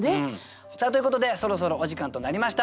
さあということでそろそろお時間となりました。